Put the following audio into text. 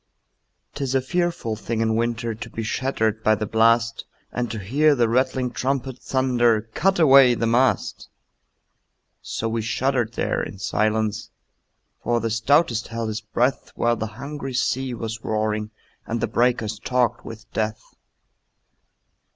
'Tis a fearful thing in winter To be shattered by the blast, And to hear the rattling trumpet Thunder, "Cut away the mast!" So we shuddered there in silence, For the stoutest held his breath, While the hungry sea was roaring And the breakers talked with death.